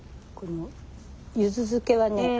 このゆず漬けはね